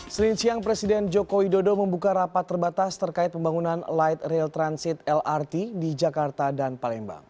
senin siang presiden joko widodo membuka rapat terbatas terkait pembangunan light rail transit lrt di jakarta dan palembang